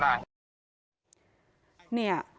นี่